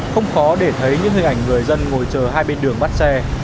không khó để thấy những hình ảnh người dân ngồi chờ hai bên đường bắt xe